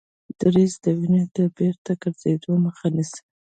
دریڅې د وینې د بیرته ګرځیدلو مخه نیسي.